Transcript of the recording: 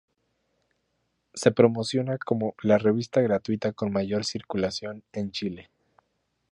Se promociona como la "revista gratuita con mayor circulación" en Chile.